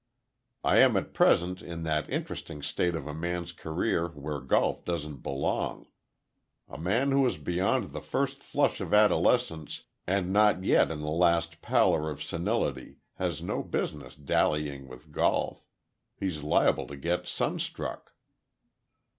I am at present in that interesting state of a man's career where golf doesn't belong. A man who is beyond the first flush of adolescence and not yet in the last pallor of senility, has no business dallying with golf. He's liable to get sunstruck."